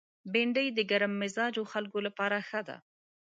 بېنډۍ د ګرم مزاج خلکو لپاره ښه ده